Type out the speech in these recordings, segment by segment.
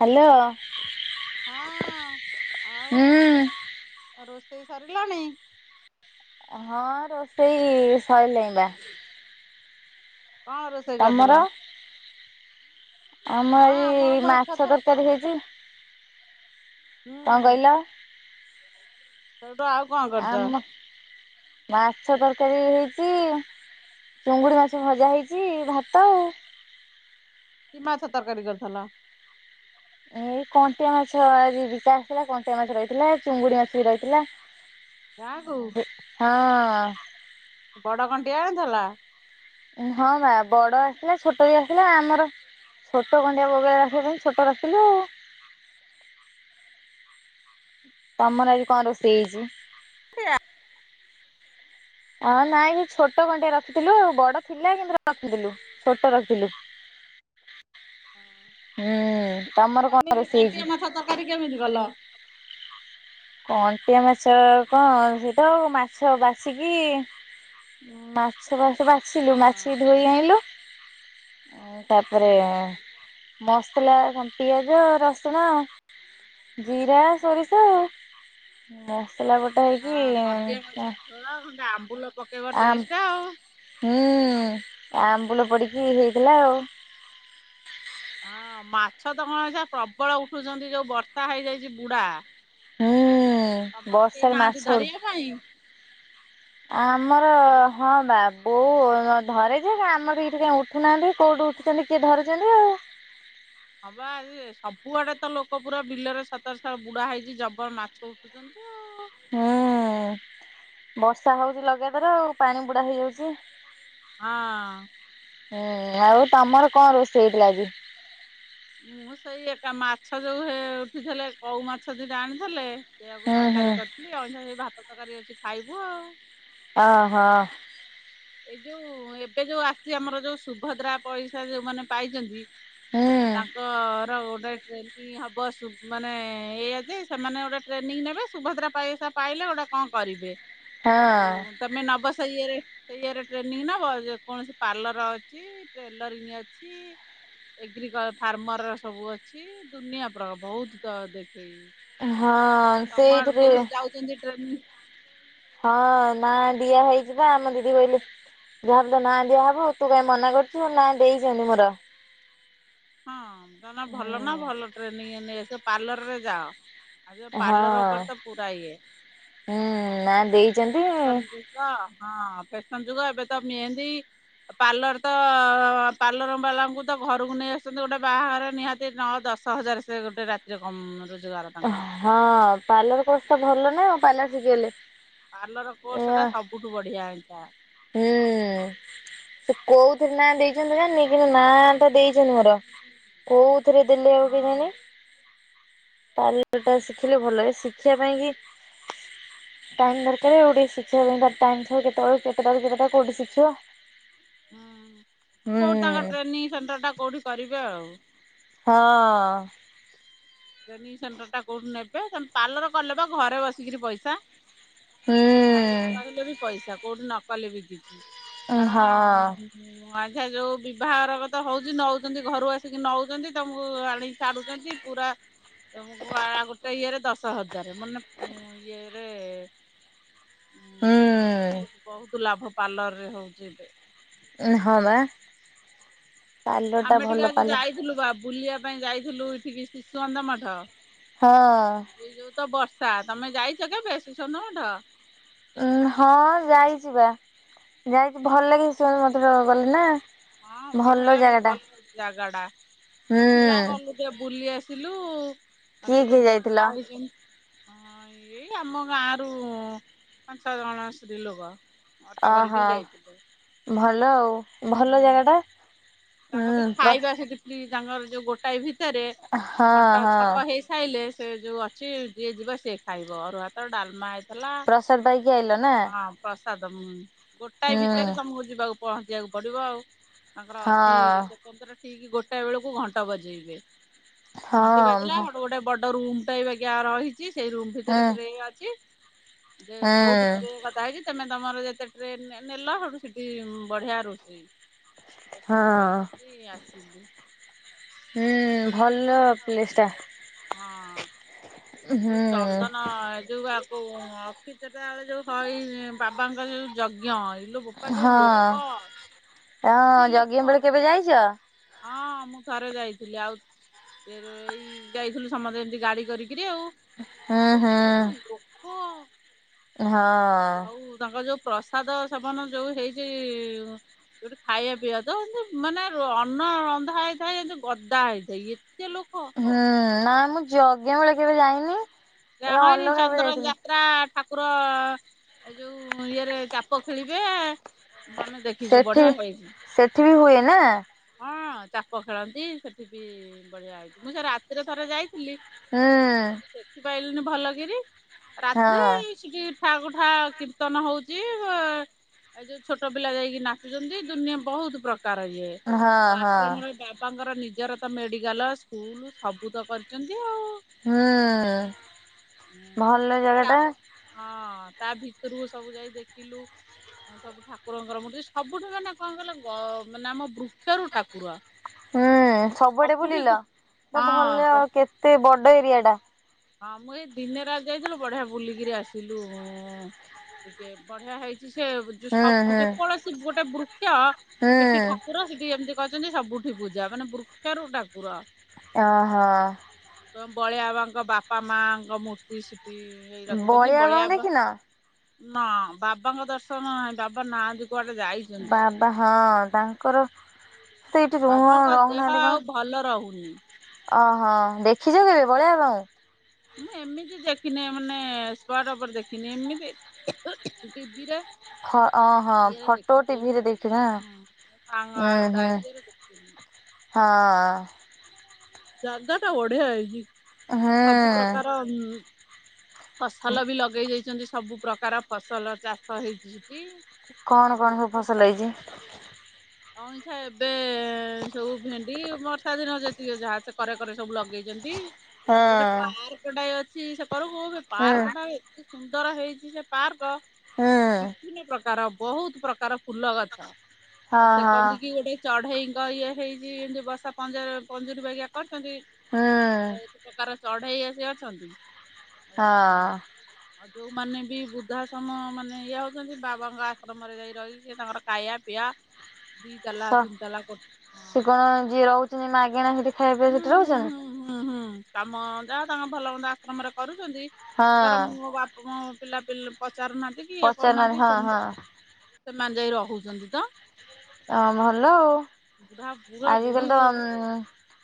Hello. ହଁ ଆଉ ହୁଁ। ରୋଷେଇ ସରିଲାଣି? ହଁ ରୋଷେଇ ସୋଇିଲାଣି ବା। କଣ ରୋଷେଇ ତମର? କରିଥିଲ? ଆମ ହଁ ଆମର ଏଇ ମୁଁ ମାଛ ଏକାଥରେ ତରକାରୀ ହେଇଛି। ହୁଁ କଣ କହିଲ? ସେଇଠୁ ଆଉ କଣ କରିଛ? ଆମ ମାଛ ତରକାରୀ ହେଇଛି ଚୁଙ୍ଗୁଡି ମାଛ ଭଜା ହେଇଛି ଭାତ ଆଉ। କି ମାଛ ତରକାରୀ କରିଥିଲ? ଏଇ କଣ୍ଟିଆ ମାଛ ବିକା ଆସିଥିଲା କଣ୍ଟିଆ ମାଛ ରହିଥିଲା ଚୁଙ୍ଗୁଡି ମାଛ ବି ରହିଥିଲା। ଗାଁକୁ ହଁ। ବଡ କଣ୍ଟିଆ ଆଣିଥିଲା? ହଁ ବା ବଡ ଆସିଥିଲା ଛୋଟ ବି ଆସିଥିଲା ଆମର ଛୋଟ କଣ୍ଟିଆ ବଗେଇ ଆସିବା ପାଇଁ ଛୋଟ ରଖିଲୁ। ତମର ଆଜି କଣ ରୋଷେଇ ହେଇଛି? ହଁ ନାଇଁ ସେ ଛୋଟ କଣ୍ଟିଆ ରଖିଥିଲୁ ଆଉ ବଡ ଥିଲା କିନ୍ତୁ ରଖିଥିଲୁ ଛୋଟ ରଖିଲୁ। ହୁଁ ତମର କଣ କେମିତି ରୋଷେଇ କଣ୍ଟିଆ ହେଇଛି? ମାଛ ତରକାରୀ କେମିତି କଲ? କଣ୍ଟିଆ ମାଛ କଣ ସେଏ ତ ମାଛ ବାଛିକି ମାଛ ଭାତ ବା ବାଛିଲୁ ହଁ ମାଛି ଧୋଇ ଆଣିଲୁ ତାପରେ ହୁଁ ମସଲା ପିଆଜ, ରସୁଣ, ଜିରା, ସୋରିଷ। ବସିଲା ଗୋଟେ ହେଇକି ହ ଆମ୍ବୁଲ ପକେଇବ ଆ ଟେଷ୍ଟ ଆଉ। ହୁଁ ଆମ୍ବୁଲ ପଡିକି ହେଇଥିଲା ଆଉ [unintelligible] ହଁ ମାଛ ତ କଣ ଅଇକା ପ୍ରବଳ ଉଠୁଛନ୍ତି ଯୋଉ ବର୍ଷା ହେଇଯାଇଛି ବୁଡା। ହୁଁ। ତମର କେହି ବର୍ଷାରେ ନାହାନ୍ତି ମାସଡୁ ଧରିବା ପାଇଁ ମୁଁ ଆମର କହିଲି ହଁ ବା ବୋଉ ଧରେଯେ ଆମର ଏଇଠି କାଇହି ଉଠୁନାହାନ୍ତି କୋଉଠୁ ଉଠୁଛନ୍ତି କିଏ ଧରିଛନ୍ତି ଆଉ ହଁବା ଆ ସବୁଆଡେ ତ ଲୋକ ପୁରା ବିଲରେ ସତର ସ ବୁଡା ହେଇଛି ଜବର ମାଛ ଉଠୁଛନ୍ତି। ମିଆଉଁ। ହୁଁ ବର୍ଷା ହଉଛି ଲଗାତର ଆଉ ପାଣି ବୁଡା ହେଇଯାଉଛି। ହଁ। ହୁଁ ଆଉ ତମର କଣ ରୋଷେଇ ହେଇଥିଲା ଆଜି? ମୁଁ ସେଇ ଏକା ମାଛ ଯୋଉ ଉଠିଥିଲେ କଉ ମାଛ ଦିଇଟା ଆଣିଥିଲେ। ସେଇଆକୁ ହୁଁ ହୁଁ ତରକାରୀ କରିଥିଲି ଅ ଭାତ ତରକାରୀ ଅଛି ଖାଇବୁ ଆଉ। ଓ ହ। ଏ ଯୋଉ ଏବେ ଯୋଉ ଆସିଛି ଆମର ଯୋଉ ସୁଭଦ୍ରା ପଇସା ଯେଉଁମାନେ ପାଇଛନ୍ତି। ହୁଁ ତାଙ୍କର ଗୋଟେ ହବ ମାନେ ଏଇଆ ଯେ ସେମାନେ ଗୋଟେ ଟ୍ରେନିଂ ନେବେ ସୁଭଦ୍ରା ପଇସା ପାଇଲେ ଗୋଟେ କଣ କରିବେ ହଁ ଆଉ ତମେ ନବ ସେ ଇଏରେ। ସେ ଇଏରେ ଟ୍ରେନିଂ ନେବ ଯେ କୌଣସି ପାର୍ଲର ଅଛି ଟେଲରିଂ ଅଛି। ଏଗ୍ରିକଲ ଫାର୍ମରର ସବୁ ଅଛି ଦୁନିଆ ପ୍ର ବହୁତ ଦେଖେଇ। ହଁ ଆଉ ତମ ଆଡୁ ସେଇଥିରେ କିଏ ସବୁ ଯାଉଛନ୍ତି ଟ୍ରେନିଂ ହଁ ନା ଦିଆ ହେଇଯିବା ଆମ ଦିଦି ବୋଇଲ ଯାହା ବି ତ ନାଁ ଦିଆହବ ତୁ କାହିଁ ମନା କରୁ ନା ଦେଇଛନ୍ତି ମୋର। ହଁ ତମେ ଭଲ ନା ଭଲ ହୁଁ ଟ୍ରେନିଂ ନେଇ ଆସ ପାର୍ଲରରେ ଯାଅ। ଆଜିକା ହଁ ପାର୍ଲର ଉପର ତ ପୁରା ଇଏ ହୁଁ ନାଁ ଦେଇଛନ୍ତି। [unintelligible] ହଁ ହଁ ଫେଶନ୍ ଯୁଗ ଏବେ ତ ମେହେନ୍ଦୀ। ପାର୍ଲର ତ ପାର୍ଲର ବାଲାଙ୍କୁ ତ ଘରକୁ ନେଇ ଆସ ଆସନ୍ତୁ ଗୋଟେ ବାହାଘର ନିହାତି ନଅ ଦଶ ହଜାର ସେ ଗୋଟେ ରାତିରେ କଣ ରୋଜଗାର ତାଙ୍କର? ହଁ ପାର୍ଲର କୋର୍ସ ଟା ଭଲ ନା ପାର୍ଲର ଯିବି ତା ହେଲେ। ପାର୍ଲର କୋର୍ସ ଟା ସବୁଠୁ ବଢିଆ ହେଇଥା। ହୁଁ। ସେ କୋଉଥିରେ ନାଁ ଦେଇଛନ୍ତି ଜାଣିନି କିନ୍ତୁ ନାଁ ଟା ଦେଇଛନ୍ତି ମୋର। କୋଉଥିରେ ଦେଲେ ଆଉ ହଁ କେଜାଣି। [inaudible] ଶିଖିଲେ ଭଲ ଏ ଶିଖିବା ପାଇଁ କି ଟାଇମ୍ ଦରକାର୍ ଗୋଟେ ଶିଖିବା ପାଇଁ ତ କେତଳ କେତେଟା ରୁ କେତଟା କୋଉଠି ଶିଖିବ। ହଁ କେଉଁଠି ତାଙ୍କ ହୁଁ ଟ୍ରେନିଂ ସେଣ୍ଟରଟା କେଉଁଠି କରିବେ ଆଉ। ହଁ। ଟ୍ରେନିଂ ସେଣ୍ଟରଟା କେଉଁଠୁ ନେବେ ତମେ ପାର୍ଲର କଲେ ବା ଘରେ ବସିକିରି ପଇସା। ଘରେ ହୁଁ ରହିଲେ ବି ପଇସା କୋଉଠି ନ କଲେ ବି କିଛି କାରଣ ହଁ। ହୁଁ ଆଛା ଯୋଉ ବିଭାଘର କଥା ହଉଛି ନଉଛନ୍ତି ଘରୁ ଆସିକି ନଉଛନ୍ତି ତମକୁ ଆଣି ଛାଡୁଛନ୍ତି ପୁରା ତ ଗୋଟେ ଇଏରେ ଦଶ ହଜାର ମାନେ ଇଏରେ ବହୁତ୍ ବହୁତ୍ ଲାଭ ପାର୍ଲର ରେ ହଉଛି ଏବେ। ହଁ ବା। ପାର୍ଲର ଟା ଆମେ ଭଲ ଟିକେ ଆଜି ପାର୍ଲର ଯାଇଥିଲୁ ବା ବୁଲିବା ପାଇଁ ଯାଇଥିଲୁ ଏଠିକି ଶିଶୁକନ୍ଧ ମଠ। ହଁ। ଏଇ ଯୋଉ ତ ବର୍ଷା ତମେ ଯାଇଛ କେବେ ଶିଶୁକନ୍ଧ ମଠ? ଉ ହଁ ଯାଇଛି ବା ଯାଇଛି ଭଲ ଲାଗେ ସେ [inaudible] ଗଲେ ନା। ହଁ ବଢ଼ିଆ ଭଲ ଲାଗେ ଜାଗା ଟା ଭଲ ଜାଗାଟା ଏ ହୁଁ ଥିଲା ଗଲୁ। ବୁଲି ଆସିଲୁ ଆ କିଏ ସେ ତ କିଏ ଯାଇଥିଲ? ବଢିଆ ହେଇ ହଁ ଏଇ ଆମ ଗାଁ ରୁ ପାଞ୍ଚ ଛ ଜଣ ସ୍ତ୍ରୀ ଲୋକ। ଅଟୋ କରିକି ଅହୋ ଯାଇଥିଲେ। ଭଲ ଆଉ ଭଲ ହୁଁ ଜାଗା ଟା। ହୁଁ ତାଙ୍କ ବି ପ୍ର ଖାଇବା ସେଠି ଫି ତାଙ୍କର ଯୋଉ ଗୋଟାଏ ଭିତରେ ହଁ ଘଣ୍ଟ ହଁ ଛକ ହେଇ ଖାଇଲେ ସେ ଯୋଉ ଅଛି ଯିଏ ଯିବ ସିଏ ଖାଇବ ଅରୁଆ ଭାତ ଡାଲମା ଇ ହେଲା ପ୍ରସାଦ ପାଇକି ଆଇଲ ନା ହଁ ପ୍ରସାଦ ଗୋଟାଏ ହୁଁ ଭିତରେ ତମକୁ ଯିବାକୁ ପହଞ୍ଚିବାକୁ ପଡ଼ିବ ଆଉ ତାଙ୍କର ଅ ହଁ ସ୍ୱତନ୍ତ୍ର ଠିକ୍ ଗୋଟାଏ ବେଳକୁ ଘଣ୍ଟ ବଜେଇବେ ଘଣ୍ଟି ହଁ ଭ ବାଜିଲା ହେଟୁ ଗୋଟେ ବଡ଼ ରୁମ୍ [inaudible] ରହିଛି ସେଇ ରୁମ୍ ହୁଁ ଭିତରେ ଟ୍ରେନ୍ ଅଛି ଯେ ହୁଁ ବହୁତ [inaudible] କଥା ହେଇଛି ତମେ ତମର ଯେତେ ଟ୍ରେ ନେ ନେଲ ସେଠୁ ସେଠି ବଢିଆ ରୋଷେଇ ହେଇଛି। ପ୍ରସାଦ ହଁ ପାଇକି ଆସିଲି। ହୁଁ ଭଲ ଚ ପ୍ଲେସ୍ ଟା। ହଁ। ଯୋଉ ହୁଁ ଚନ୍ଦନ ଏ ଯୋଉ ଆକୁ ଅଖି ଯେଟା ବେଳେ ଯୋଉ ହଇ ବା ବାପାଙ୍କର ଯୋଉ ଯଜ୍ଞ ଏ ଲୋ ବୋପା ଯୋଉ ହଁ ଲୋକ ଏତେ ଲୋକ। ତମେ ଯାଇଛ? ହଁ ମୁଁ ଥରେ ଯାଇଥିଲି ଆଉ ଏ ଏଇ ଯାଇଥିଲୁ ସମସ୍ତେ ଏମତି ଗାଡି କରିକିରି ଆଉ। ହୁଁ ଇ ଲୋ ହୁଁ ବୋପା ଲୋ ଏ ଯଉ ଲୋକ। ହଁ। ଆଉ ତାଙ୍କର ଯୋଉ ପ୍ରସାଦ ସେବନ ଯୋଉ ହେଇଛି ଯୋଉଠି ଖାଇବା ପିଇବା ତ ଏତି ମାନେ ଅନ୍ନ ରନ୍ଧା ହେଇଥାଏ ଏମତି ଗଦା ହେଇଥାଏ ଏତେ ଲୋକ। ହୁଁ ନା ମୁଁ ଜଜ୍ଞ ବେଳେ କେବେ ଯାଇନି। ଯା ଏ ହନି ଅଲଗା କେବେ ଚନ୍ଦରଞ୍ଜା ଯାଇଥିଲି ଯାତ୍ରା ଠାକୁର ଏ ଯୋଉ ଇଏରେ ଚାପ ଖେଳିବେ। ଆମେ ଦେଖିଛୁ ସେଠି ବଢିଆ ହେଇଛି। ସେଠି ବି ହୁଏ ନା? ହଁ ଚାପ ଖେଳନ୍ତି ସେଠି ବି ବଢ଼ିଆ ହେଇଛି ମୁଁ ସେ ରାତିରେ ଥରେ ଯାଇ ଥିଲି ହୁଁ ମୁ ଦେଖିପାରିଲିନି ଭଲ କିରି ରାତିରେ ହଁ ସେଠି ଠାକୁ ଠା କୀର୍ତ୍ତନ ହଉଛି। ଏ ଯୋଉ ଛୋଟ ପିଲା ଯାଇକି ନାଚୁଛନ୍ତି ଦୁନିଆ ବହୁତ ପ୍ରକାର ଇଏ। ହଁ ଓ ହଁ ଆଶ୍ରମରେ ବାବାଙ୍କର ନିଜର ତ ମେଡିକାଲ ସ୍କୁଲ ସବୁ ତ କରିଛନ୍ତି ଆଉ ହୁଁ ହଁ ଭଲ ଜାଗା ଟା ତା ଭିତରକୁ ସବୁ ଯାଇ ଦେଖିଲୁ। ହଁ ସବୁ ଠାକୁରଙ୍କର ମୂର୍ତ୍ତି ସବୁଠୁ ମାନେ କଣ କଲେ ମାନେ ଆମ ବୃକ୍ଷରୁ ଠାକୁର। ହୁଁ ସବୁଆଡେ ସବୁଠି ବୁଲିଲ ଭଲ ଆ ହଁ କେତେ ବଡ ଏରିଆ ଟା? ହଁ ମୁଁ ଏଇ ଦିନରେ ଆଜି ଯାଇଥିଲୁ ବଢିଆ ବୁଲିକିରି ଆସିଲୁ ଟିକେ ବଢିଆ ହେଇଛି। ସେ ହୁଁ ହୁଁ ଯେକୌଣସି ଗୋଟେ ବୃକ୍ଷ ହୁଁ ସେଠି ଠାକୁର ସେଠି ଯେମିତି ଅଛନ୍ତି ସବୁଠି ପୂଜା ମାନେ ବୃକ୍ଷରୁ ଠାକୁର। ଓହୋ। ଯୋଉ ବଳିଆବାଙ୍କ ବାପା ମାଆଙ୍କ ମୂର୍ତ୍ତି ସିଟିି ରଖିଛନ୍ତି ବଳିଆ ବାବାଙ୍କୁ ବା ଦେଖିନ? ବାବାଙ୍କ ଦର୍ଶନ ନାହିଁ ବାବା ନାହାଁନ୍ତି। କୁଆଡେ ଯାଇଛନ୍ତି? ବାବା ହଁ ତାଙ୍କର ସେ ଏଇଠି ରୁ ବାବାଙ୍କ ରହୁ ଦେହ ନାହାନ୍ତି ଆଉ ଭଲ କଣ? ରହୁନି। ଓହୋ ଦେଖିଛ କେବେ ବଳିଆ ଵାବାଙ୍କୁ? ମୁଁ ଏମିତି ଦେଖିନି ମାନେ ସ୍ପଟ ଉପରେ ଦେଖିନି ଏମିତି ଟିଭିରେ। ଓହୋ ଇଏରେ ଫଟୋ ଦେଖିଛିଁ ଟିଭିରେ ଦେଖିନା ହଁ ଆ ଉୁଁ ହୁଁ ଡାଇରେକ୍ଟ ଇଏରେ ଦେଖି ହଁ। ଜାଗାଟା ବଢିଆ ହେଇଛି ସବୁ ହୁଁ ପ୍ରକାର ଫସଲ ବି ଲଗେଇ ଦେଇଛନ୍ତି ସବୁ ପ୍ରକାର ଫସଲ ଚାଷ ହେଇଛି ସେଠି। କଣ ଆଉ କଣ ସବୁ ପୋଖରୀ ଫସଲ ହେଇଛି? ଅଇଁଛା ଏବେ ସବୁ ଭେଣ୍ଡି ବର୍ଷା ଦିନ ଯେତିକି ଯାହା ସେ କରେ କରେ ସବୁ ଲଗେଇଛନ୍ତି ହୁଁ ଆଉ ଗୋଟେ ପାର୍କଟା ଅଛି ସେ କରକୁ ହୁଁ ପାର୍କଟା ଏତେ ସୁନ୍ଦର ହେଇଛି ସେ ପାର୍କ। ହୁଁ ବିଭିନ୍ନ ପ୍ରକାର ବହୁତ ପ୍ରକାର ଫୁଲ ଗଛ। ଆଉ ହଁ ସେ ହଁ କନ୍ଦିକି ଗୋଟେ ଚଢେଇ ଇଏ ହେଇଛି ଏମତି ବସା ପଜ ପଞ୍ଜୁରୀ ଭଳିଆ। କରିଛନ୍ତି ହୁଁ ବହୁତ ପ୍ରକାର ଚଢେଇ ଆସି ଅଛନ୍ତି। ଆଉ ହଁ। ଆଉ ଯୋଉ ମାନେ ବି ବୃଦ୍ଧାଶ୍ରମ ମାନେ ଇଏ ହଉଛନ୍ତି ବାବାଙ୍କ ଆଶ୍ରମରେ ଯାଇ ରହି ସେ ତାଙ୍କର ଖାଇବା ପିଆ। ସ ସେ ହଁ କଣ ଯିଏ ରହୁଛି? ମାଗେଣା ସେଠି ଖାଇବା ସେଠି ହୁଁ ହୁଁ ରହୁଛନ୍ତି? ହୁଁ ହୁଁ ହୁଁ। କାମ ଯାହା ତାଙ୍କ ଭଲ ମନ୍ଦ ଆଶ୍ରମରେ କରୁଛନ୍ତି ହଁ ଧର ମୋ ବାପ ପିଲାପିଲି ଲୋକ ପଚାରୁନାହାନ୍ତି କି ଇଏ ପଚାରୁନାହାନ୍ତି କରୁନାହାନ୍ତି ହଁ ସେ ହଁ ସେମାନେ ଯାଇ ରହୁଛନ୍ତି ତ? ହ ଭଲ ଆଉ ବୁଢା ବୁଢା ବୁଢୀ ଆଜିକାଲି ତ ହଁ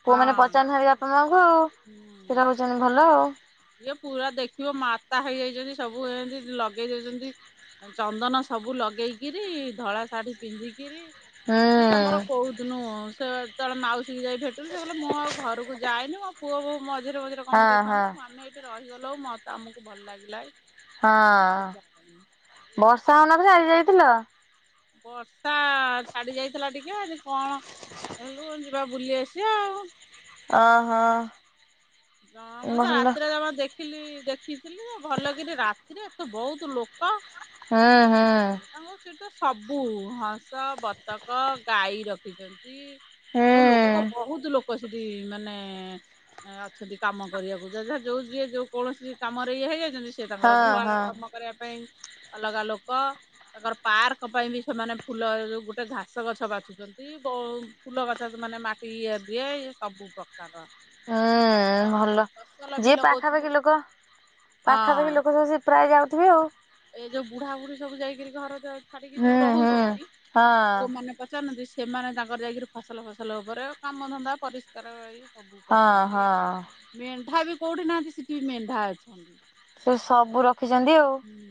ପୁଅ ମାନେ ହୁଁ ପଚାର ବପା ଭାଇଙ୍କୁ ତୁମକୁ କ୍ଷୀର ମିଶେଇଲେ ଭଲ ହେଉଛନ୍ତି ଭଲ ଆଉ। ଇଏ ପୁରା ଦେଖିବ ମାତା ହେଇଯାଇଛନ୍ତି ସବୁ ଏମିତି ଲଗେଇ ଦଉଛନ୍ତି? ଚନ୍ଦନ ସବୁ ଲଗେଇକିରି ଧଳା ଶାଢ଼ୀ ପିନ୍ଧିକିରି ହୁଁ ସିଏ ତାଙ୍କର କୋଉଦିନୁ ସେ ସେତେବେଳେ ମାଉସୀ ଯାଇ ଭେଟିଲୁ ସେ କହିଲେ ମୁଁ ଆଉ ଘରକୁ ଯାଇନି ମୋ ପୁଅ ବୋହୁ ମଝିରେ ମଝିରେ କଁ ହଁ ମତେ ହଁ ଦେଖାଉନି। ଆମେ ଏଇଠି ରହିଗଲ ଉଁ ମତେ ଆମକୁ ଭଲ ଲାଗିଲାଁଇ। ହଁ ବର୍ଷା ହଉ ନଥିଲା ଆଜି ଯାଇଥିଲ। ବର୍ଷା ଛାଡି ଯାଇଥିଲା ଟିକେ ଆଜି କଣ। ଚାଲୁନୁ କୁଆଡେ ଯିବା ବୁଲି ଆସି ଆଉ। ଅ ହ। ହଁ ମୁଁ ତ ରାତିରେ ଯଥା ଦେଖି ଦେଖିଲି ଦେଖିଥିଲି ଭଲକିରି ରାତିରେ ଏ ତେ ବହୁତ ଲୋକ। ହୁଁ ହୁଁ ତାଙ୍କ ସେଠି ତ ସବୁ ହଂସ ବତକ ଗାଈ ରଖିଛନ୍ତି। ହୁଁ ଆଉ ଲୋକ ବହୁତ ଲୋକ ସେଠି ମାନେ। ସେଠି କାମ କରିବାକୁ ଯେ ଝା ଯୋଉ ଯିଏ ଯୋଉ କୌଣସି କାମରେ ଇଏ ହେଇଯାଇ ଛନ୍ତି ସେ ତାଙ୍କର ହଁ ଗୁହାଳ ହଁ। କାମ କରିବା ପାଇଁ ଅଲଗା ଲୋକ। ତାଙ୍କର ପାର୍କ ପାଇଁ ବି ସେମାନେ ଫୁଲ ଯୋଉ ଗୋଟେ ଘାସ ଗଛ ବାଛୁଛନ୍ତି ବ ଫୁଲ ଗଛ ମାନେ ମାଟି ଇଏ ଦିଏ ଇଏ ସବୁ ପ୍ରକାର ର। ହୁଁ ଭଲ ବି ଯିଏ ଲଗଉଛନ୍ତି ପାଖାପାଖି ଲୋକ ପାଖାପାଖି ହଁ ଲୋକ ସବୁ ସେ ରହି ଯାଉଥିବେ ଆଉ। ଏ ଯୋଉ ବୁଢା ବୁଢ଼ୀ ସବୁ ଯାଇକିରି ଘର ଯୋଉ ଛାଡିକି ହୁଁ ଯୋଉ ହୁଁ ରହୁଛନ୍ତି ହଁ ପୁଅମାନେ। ପଚାରୁନାନ୍ତି ସେମାନେ ତାଙ୍କର ଯାଇକିରି ଫସଲ ଫସଲ ଉପରେ କାମଧନ୍ଦା ପରିଷ୍କାର। ସବୁ ହଁ କରୁଛନ୍ତି ହଁ। ମେଣ୍ଢା ବି କେଉଁଠି ନାହାଁନ୍ତି ସିଠି ବି ମେଣ୍ଢା ଅଛନ୍ତି। ସେ ସବୁ ର ରଖିଛନ୍ତି ଆଉ। ହୁଁ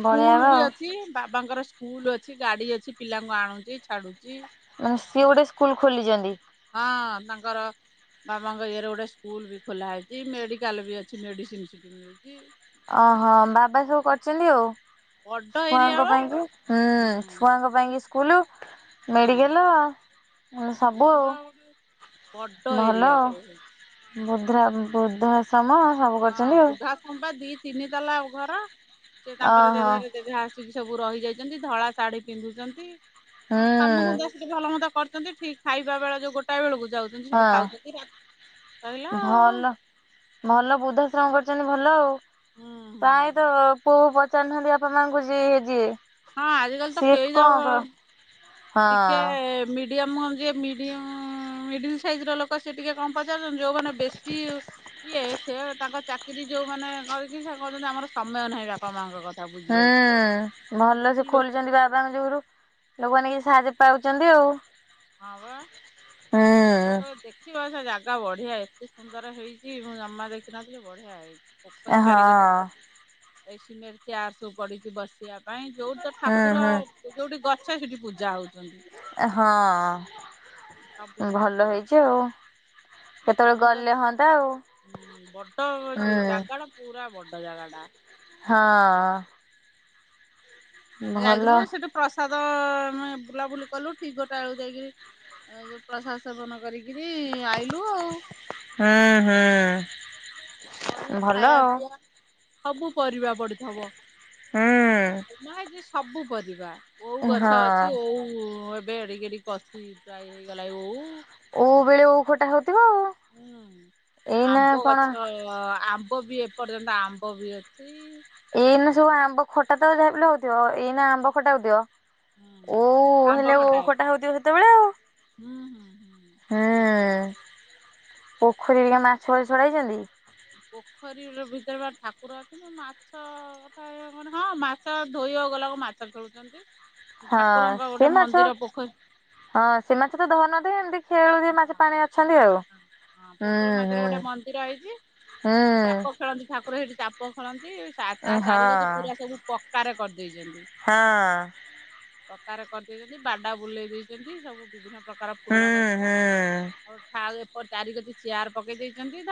ସ୍କୁଲ ବଳିଆବା ବି ଆଉ ଅଛି ବାବାଙ୍କର। ସ୍କୁଲ ଅଛି ଗାଡି ଅଛି ପିଲାଙ୍କୁ ଆଣୁଛି ଛାଡୁଛି। ମାନେ ସିଏ ଗୋଟେ ସ୍କୁଲ୍ ଖୋଲିଛନ୍ତି। ହଁ ତାଙ୍କର। ବାବାଙ୍କ ଇଏରେ ଗୋଟେ ସ୍କୁଲ ବି ଖୋଲା ହେଇଛି ମେଡ଼ିକାଲ ବି ଅଛି ମେଡ଼ିସିନ ସିଠି ମିଳୁଛି। ଅ ହ ବାବା ସବୁ କରିଛନ୍ତି ଆଉ। ବଡ ଏରିଆ ଛୁଆଙ୍କ ବା ପାଇଁକି ହୁଁ ଛୁଆଙ୍କ ହୁଁ ପାଇଁକି ସ୍କୁଲ। ହଁ ମେଡିକାଲ ଉ‌ ସବୁ ଆଉ ପୁରା ଗୋଟେ ବଡ ଭଲ। ଏରିଆ ଟା ଏ। ବୁଦ୍ଧ୍ରା ବୁଦ୍ଧା ଶ୍ରମ। ହଁ ବୁଦ୍ଧା ଶ୍ରମ ବା ଦି ତିନି ତଲା ଘର ସେ ତାଙ୍କର ଓହୋ ଯେଝାର ଜେଝା ଆସି କି ସବୁ ରହିଯାଇଛନ୍ତି ଧଳା ଶାଢୀ ପିନ୍ଧୁଛନ୍ତି ଅଁ କାମ ଧନ୍ଦା। ହୁଁ ସେ ଭଲ ମନ୍ଦ କରିଛନ୍ତି ଠିକ୍ ଖାଇବା ବେଳ ଯୋଉ ଗୋଟା ବେଳକୁ। ଯାଉଛନ୍ତି ସେଠି ହଁ ଖାଉଛନ୍ତି ରାତ୍ ‌ରହିଲା ଆଉ। ଭଲ ଭଲ ବୃଦ୍ଧାଶ୍ରମ କରିଛନ୍ତି ଭଲ ଆଉ ହୁଁ ହୁଁ ପ୍ରାୟତ ପୁଅ ବୋହୁ ପ ପଚାରୁ ନାହାନ୍ତି ବାପା ମା ଙ୍କୁ ଯିଏ ଯିଏ। ହଁ ଆଜିକାଲି ତ ସିଏ କେହି କଣ କ ଯାଉ। ହଁ ଟିକେ ମିଡିୟମ ଯିଏ ମିଡିଅ ମିଡିଲି ସାଇଜ ର ଲୋକ। ସିଏ ଟିକେ କମ୍ ପଚାରୁଛନ୍ତି ଯୋଉମାନେ ବେଶୀ। ଇଏ ସିଏ ତାଙ୍କ ଚାକିରି ଯୋଉ ମାନେ ରହିକି ସେ କହୁଛନ୍ତି ଆମର ସମୟ ନାହିଁ ବାପା ମାଙ୍କ କଥା। ହୁଁ ବୁଝିବାକୁ। ଭଲ ଏମିତି ସେ ଲୋ ଖୋଲିଛନ୍ତି ବାବାଙ୍କ ଯୋଗରୁ। ଲୋକମାନେ କିଛି ସାହାଯ୍ୟ ପାଉଛନ୍ତି ଆଉ। ହଁ ବା ଦିପ ହୁଁ କାଳେ ଦେଖ ଦେଖିବ ସେ ଜାଗା ବଢିଆ ଏତେ ସୁନ୍ଦର ହେଇଛି ମୁଁ ଜମା ଦେଖିିନଥିଲି ବଢିଆ ହେଇଛି। ପୋଖରି ହଁ। ଚାରି କର ଏଇ ସିମେଣ୍ଟେ ଚେୟାର ସବୁ ପଡିଚି ବସିବା ପାଇଁ ଯୋଉଠି ତ ହୁଁ ଠାକୁର ହୁଁ ଯୋଉଠି ଗଛ ସେଠି ପୂଜା ହେଉଚନ୍ତି। ସବୁଠି ହଁ ଭଲ ଠାକୁର ହେଇ ଆଉ। କେତେବେଳେ ଯୋଉଠି ଗଲେ ହଅନ୍ତା ଆଉ ଗଛ ବଡ ହୁଁ ଯୋଉ ଜାଗାର। ପୁରା ବଡ ଜାଗା ଟା। ହ ଅ। ଆମେ ଭଲ ଯାଇଥିନୁ ସେଠୁ ପ୍ରସାଦ ଆମେ ବୁଲାବୁଲି କଲୁ ଠିକ୍ ଗୋଟା ବେଳକୁ ଯାଇକିରି ପ୍ରସାଦ ସେବନ କରିକି ରି ଆଇଲୁ ଆଉ। ହଁ ବଢିଆ ହଁ ଭଲ ଖାଇବା ଆଉ। ପିଇବା ସବୁ ପରିବା ପତିଥିବ ହୁଁ। ଭାବୁଚି ସବୁ ପରିବା। ଓଉ ହଁ ଗଛ ଅଛି ଓଉଏବେ ଏଡିକି ଏଡିକି କଷି ପ୍ରାୟ ହେଇଗଲା ଓଉ। ଓଉ ବେଳେ ଓଉ ଖଟା ହେଉଥୁବ ଆଉ। ହୁଁ ଏଇନା ଆମ୍ବ କଣ ଗଛରେ ଆମ୍ବ ବିଅ ଏ ପର୍ଯ୍ୟନ୍ତ ଆମ୍ବ ବି ଅଛି। ଏଇନା ସବୁ ଆମ୍ବ ଖଟା ତ ଯାହା ହଉଥିବ ଏଇନା ଆମ୍ବ ଖଟା ହଉଥିବ। ହୁଁ ଓଉ ଆମ୍ବ ହେଲେ ଓ ଖଟା ଉଖଟା ହଉଥିବ ସେତେବେଳେ ଆଉ। ହୁଁ ହୁଁ ହୁଁ। ହୋଁ ପୋଖରୀରେ କଣ ମାଛ ଫାଛ ଛଡାହେଇଛନ୍ତି? ପୋଖରୀର ଭିତରେ ପା ଠାକୁର ଅଛନ୍ତି। ମାଛ କଥା ହଁ ମାଛ ଧୋଇବା ଗଲାକୁ ମାଛ ଖେଳୁଛନ୍ତି। ହଁ ଠାକୁରଙ୍କ ସେ ଗୋଟେ ମାଛ ମନ୍ଦିର ପୋଖରୀ। ହଁ ସେ ମାଛ ତ ଧରୁ ନଥିବେ ଏମିତି? ଖେଳୁଥିବେ ମାଛ ହଁ ପାଣି ଅଛନ୍ତି ହଁ ଆଉ ହଁ ହଁ ହୁଁ ପୋଖରୀ ମଝିରେ ହୁଁ। ଗୋଟେ ମନ୍ଦିର ହେଇଚି। ଚାପ ହୁଁ ଖେଳନ୍ତି ଠାକୁର ହେଇଠି ଚାପ ଖେଳନ୍ତି ତା ହଁ ଚାରିକାତି ପୁରା ସବୁ ପକ୍କାରେ କରିଦେଇଚନ୍ତି। ହଁ ପକ୍କାରେ କରିଦେଇଚନ୍ତି ବାଡ଼ା ବୁଲେଇ ଦେଇଚନ୍ତି ସବୁ ବିଭିନ୍ନ ପ୍ରକାର ହୁଁ ଫୁଲ ଗ ହୁଁ। ଆଉ ଏପ ଚାରି କତି ଚେୟାର ପକେଇ ଦେଇଚନ୍ତି ଧର